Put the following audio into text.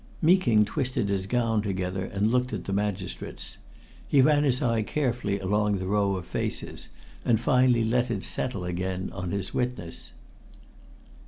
Meeking twisted his gown together and looked at the magistrates. He ran his eye carefully along the row of faces, and finally let it settle again on his witness.